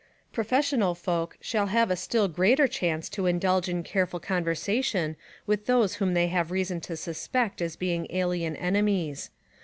Professional folk shall have a still greater chance to indulge in careful SPY PROOF AMERICA 17 conversation with those whom they have reason to suspect as being ahen enemies.